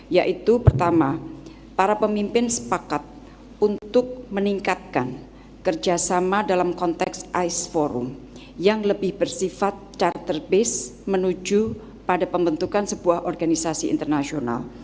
yaitu pertama para pemimpin sepakat untuk meningkatkan kerjasama dalam konteks ice forum yang lebih bersifat charter base menuju pada pembentukan sebuah organisasi internasional